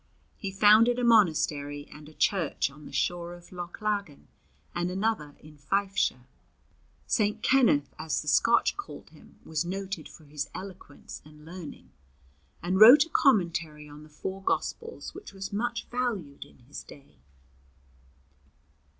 He founded a monastery and a church on the shore of Loch Lagan, and another in Fifeshire. St. Kenneth, as the Scotch called him, was noted for his eloquence and learning, and wrote a commentary on the four Gospels which was much valued in his day.